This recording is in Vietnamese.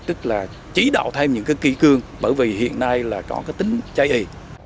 tức là chỉ đạo thêm những cái kỹ cương bởi vì hiện nay là có cái tính chay y